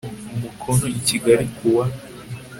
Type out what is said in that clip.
umukono i Kigali ku wa